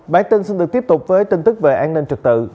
bản tin xin được tiếp tục với tin tức về an ninh trật tự